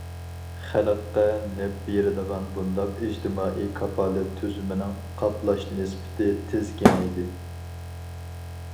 خەلققە نەپ بېرىدىغان بۇنداق ئىجتىمائىي كاپالەت تۈزۈمىنىڭ قاپلاش نىسبىتى تېز كېڭەيدى.